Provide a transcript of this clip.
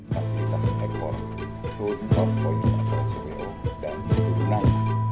fasilitas ekor kutur poin asal ceo dan kegunaan